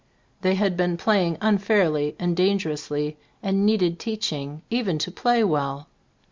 They had been playing unfairly and dangerously and needed teaching, even to play well.